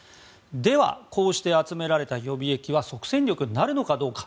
では、こうして集められた予備役は即戦力になるのかどうか。